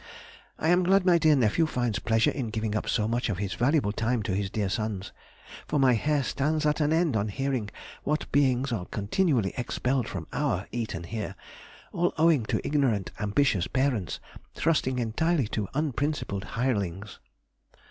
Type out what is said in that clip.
... I am glad my dear nephew finds pleasure in giving up so much of his valuable time to his dear sons; for my hair stands at an end on hearing what beings are continually expelled from our Eton here, all owing to ignorant ambitious parents trusting entirely to unprincipled hirelings.